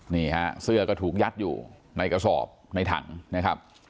นี่ฮะเสื้อก็ถูกยัดอยู่ในกระสอบในถังนะครับ